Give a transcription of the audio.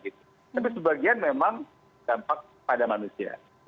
tapi sebagian memang dampak pada manusia